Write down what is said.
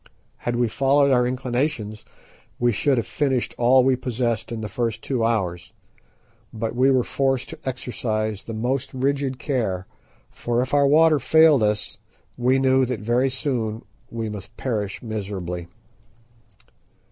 Had we followed our inclinations we should have finished all we possessed in the first two hours, but we were forced to exercise the most rigid care, for if our water failed us we knew that very soon we must perish miserably.